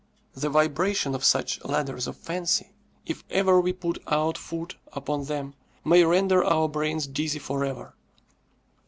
The vibration of such ladders of fancy, if ever we put our foot upon them, may render our brains dizzy for ever.